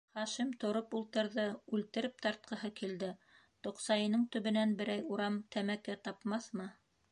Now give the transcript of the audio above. Хашим тороп ултырҙы, үлтереп тартҡыһы килде, тоҡсайының төбөнән берәй урам тәмәке тапмаҫмы...